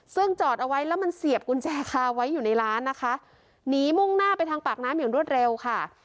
ซึ่งจอดเอาไว้แล้วมันเสียบกุญแจคาไว้อยู่ในร้านนะคะหนีมุ่งหน้าไปทางปากน้ำอย่างรวดเร็วค่ะ